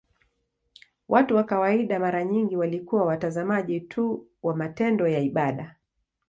Watu wa kawaida mara nyingi walikuwa watazamaji tu wa matendo ya ibada.